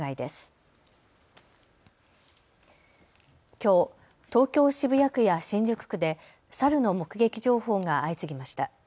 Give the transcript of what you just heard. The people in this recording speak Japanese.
きょう、東京渋谷区や新宿区でサルの目撃情報が相次ぎました。